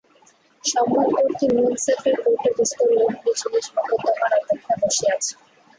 সম্মুখবর্তী মুন্সেফের কোর্টে বিস্তর লোক নিজ নিজ মোকদ্দমার অপেক্ষায় বসিয়া আছে।